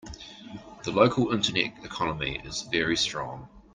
The local internet economy is very strong.